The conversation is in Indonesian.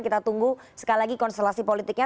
kita tunggu sekali lagi konstelasi politiknya